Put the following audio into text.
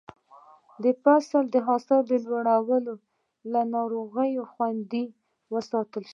د فصل حاصل لوړوي که له ناروغیو خوندي وساتل شي.